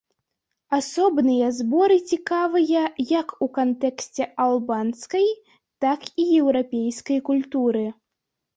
Асобныя зборы цікавыя як у кантэксце албанскай, так і еўрапейскай культуры.